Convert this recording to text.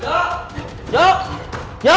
serius gak bisa